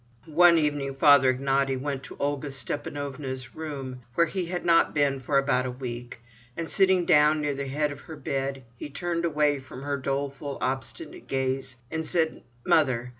One evening Father Ignaty went to Olga Stepanovna's room, where he had not been for about a week, and sitting down near the head of her bed, he turned away from her doleful, obstinate gaze, and said: "Mother!